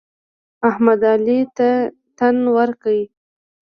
احمد؛ علي ته تن ورکړ.